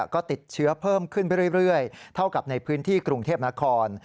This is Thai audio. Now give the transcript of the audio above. ก็ติดเชื้อเพิ่มขึ้นไปเรื่อยเท่ากับในพื้นที่กรุงเทพนคร